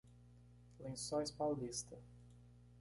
Lençóis Paulista